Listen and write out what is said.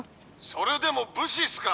「それでも武士っすか？